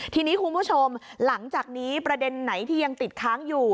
ทีนี้คุณผู้ชมหลังจากนี้ประเด็นไหนที่ยังติดค้างอยู่